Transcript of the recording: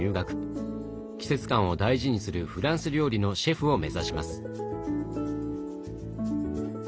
季節感を大事にするフランス料理のシェフを目指します。